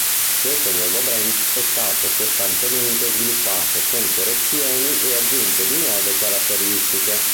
Questo nuovo branch è stato costantemente sviluppato con correzioni e aggiunte di nuove caratteristiche.